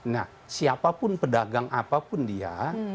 nah siapapun pedagang apapun dia